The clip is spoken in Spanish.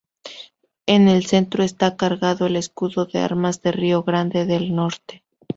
En el centro está cargado el escudo de armas de Río Grande del Norte.